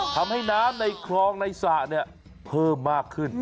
ทำให้น้ำในคลองในสระเพิ่มมากขึ้น